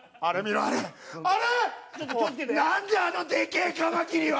あのでけえカマキリは！